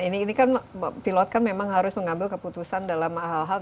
ini kan pilot kan memang harus mengambil keputusan dalam hal hal